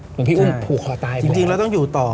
หลวงพี่อุ้งผูกคลอตายไปแล้วนะครับจริงเราต้องอยู่ต่อ